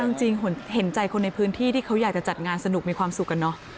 เอาจริงเห็นใจคนในพื้นที่ที่เขาอยากจะจัดงานสนุกมีความสุขอะเนาะ